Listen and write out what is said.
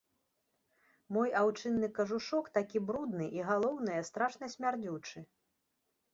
Мой аўчынны кажушок такі брудны і, галоўнае, страшна смярдзючы.